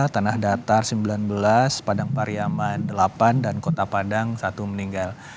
tanah datar sembilan belas padang pariama delapan dan kota padang satu meninggal